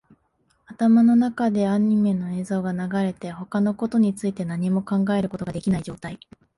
頭の中でアニメの映像が流れて、他のことについて何も考えることができない状態